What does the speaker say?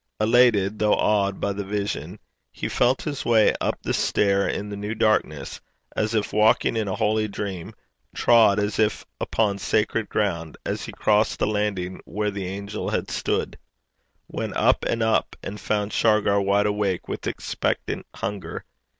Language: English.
Elated, though awed, by the vision, he felt his way up the stair in the new darkness, as if walking in a holy dream, trod as if upon sacred ground as he crossed the landing where the angel had stood went up and up, and found Shargar wide awake with expectant hunger.